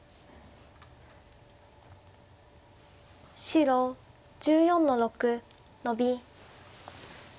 白１４の六ノビ。